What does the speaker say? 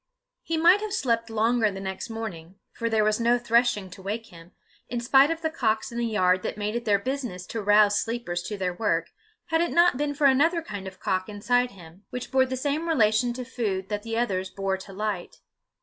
He might have slept longer the next morning, for there was no threshing to wake him, in spite of the cocks in the yard that made it their business to rouse sleepers to their work, had it not been for another kind of cock inside him, which bore the same relation to food that the others bore to light.